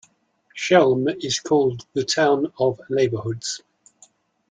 Schwelm is called the "town of neighbourhoods".